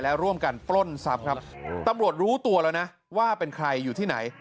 และร่วมกันปล้นทรัพย์ครับตำรวจรู้ตัวแล้วนะว่าเป็นใครอยู่ที่ไหน